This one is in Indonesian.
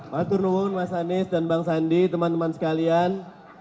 ma'aturnuun mas anies dan bang sandi teman teman sekalian